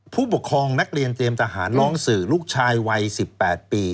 ผู้ปกครองนักเรียนเตรียมทหารร้องสื่อลูกชายวัย๑๘ปี